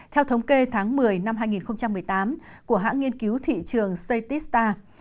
theo thống kê tháng một mươi năm hai nghìn một mươi tám của hãng nghiên cứu thị trường citista